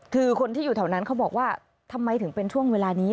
คือคนที่อยู่แถวนั้นเขาบอกว่าทำไมถึงเป็นช่วงเวลานี้